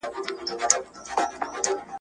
کتابتوني کار د مور له خوا کيږي!؟